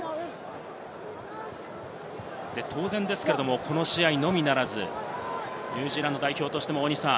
当然ですけれども、この試合のみならず、ニュージーランド代表としても。